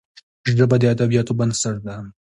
ژبه د ادبياتو بنسټ ده